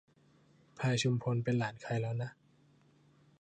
พลายชุมพลเป็นหลานใครแล้วนะ